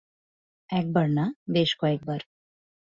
একবার না, বেশ কয়েক বার।